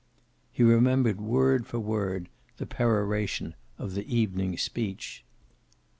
He remembered word for word the peroration of the evening's speech.